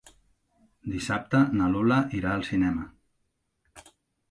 Dissabte na Lola irà al cinema.